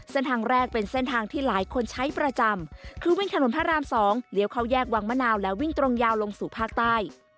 เส้นทางแรกเป็นเส้นทางที่หลายคนใช้ประจำคือวิ่งถนนพระราม๒เลี้ยวเข้าแยกวังมะนาวแล้ววิ่งตรงยาวลงสู่ภาคใต้